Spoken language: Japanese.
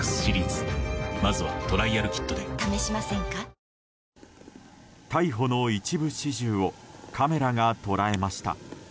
三菱電機逮捕の一部始終をカメラが捉えました。